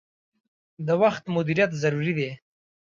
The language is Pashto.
د وخت مدیریت ضروری دي.